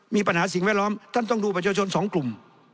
สิ่งแวดล้อมท่านต้องดูประชาชนสองกลุ่ม